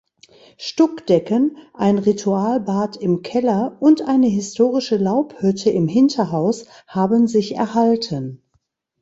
Stuckdecken, ein Ritualbad im Keller und eine historische Laubhütte im Hinterhaus haben sich erhalten.